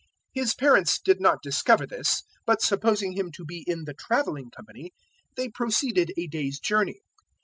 His parents did not discover this, 002:044 but supposing Him to be in the travelling company, they proceeded a day's journey.